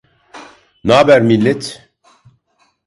N'aber millet?